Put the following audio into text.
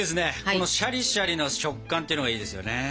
このシャリシャリの食感ってのがいいですよね。